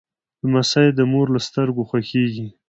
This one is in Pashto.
لمسی د مور له سترګو خوښیږي.